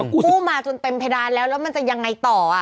กู้มาจนเต็มเพดานแล้วแล้วมันจะยังไงต่อ